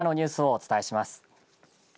徳島のニュースをお伝えします。